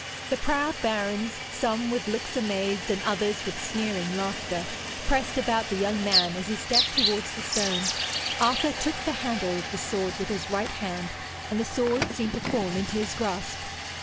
The proud barons, some with looks amazed and others with sneering laughter, pressed about the young man as he stepped towards the stone. Arthur took the handle of the sword with his right hand, and the sword seemed to fall into his grasp.